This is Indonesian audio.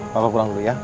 papa pulang dulu ya